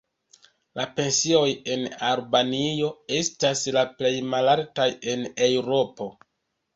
La pensioj en Albanio estas la plej malaltaj en Eŭropo.